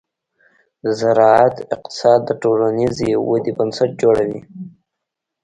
د زراعت اقتصاد د ټولنیزې ودې بنسټ جوړوي.